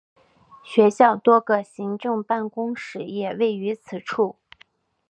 学校多个行政办公室也位于此处。